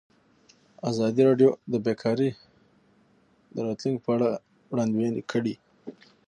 ازادي راډیو د بیکاري د راتلونکې په اړه وړاندوینې کړې.